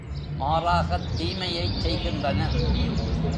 மாறாகத் தீமையைச் செய்கின்றனர்.